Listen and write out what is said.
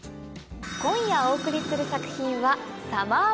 今夜お送りする作品は。